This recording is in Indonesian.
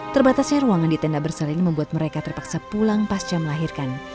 terbatasnya ruangan di tenda bersalin membuat mereka terpaksa pulang pasca melahirkan